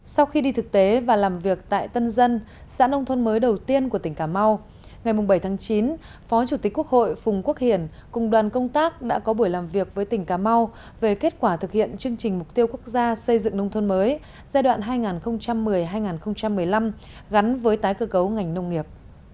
sau khi đi thực tế và làm việc tại tân dân xã nông thôn mới đầu tiên của tỉnh cà mau ngày bảy chín phó chủ tịch quốc hội phùng quốc hiển cùng đoàn công tác đã có buổi làm việc với tỉnh cà mau về kết quả thực hiện chương trình mục tiêu quốc gia xây dựng nông thôn mới giai đoạn hai nghìn một mươi hai nghìn một mươi năm gắn với tái cơ cấu ngành nông nghiệp